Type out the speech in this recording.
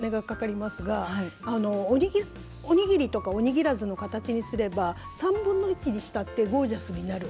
３人で食べるっていうと結構なお金がかかりますがおにぎりとかおにぎらずの形にすれば３分の１にしたってゴージャスになる。